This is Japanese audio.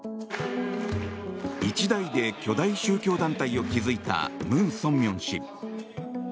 一代で巨大宗教団体を築いたムン・ソンミョン氏。